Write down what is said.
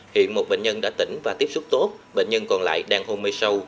hiện một bệnh nhân đã tỉnh và tiếp xúc tốt bệnh nhân còn lại đang hôn mê sâu